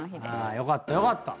よかったよかった。